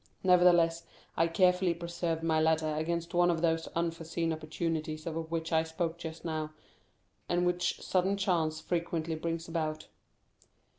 Nevertheless, I carefully preserved my ladder against one of those unforeseen opportunities of which I spoke just now, and which sudden chance frequently brings about."